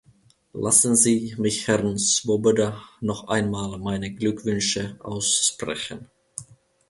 Lassen Sie mich Herrn Swoboda noch einmal meine Glückwünsche aussprechen.